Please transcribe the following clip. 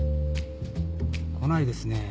来ないですねぇ。